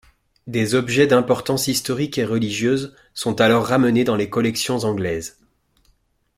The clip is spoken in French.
Des objets d’importance historique et religieuse sont alors ramenés dans les collections anglaises.